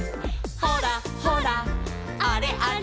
「ほらほらあれあれ」